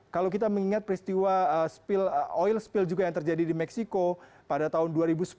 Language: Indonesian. kalau kita mengingat peristiwa oil spill juga yang terjadi di meksiko pada tahun dua ribu sepuluh